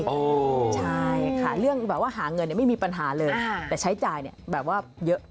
ใช่ค่ะเรื่องแบบว่าหาเงินเนี่ยไม่มีปัญหาเลยแต่ใช้จ่ายเนี่ยแบบว่าเยอะ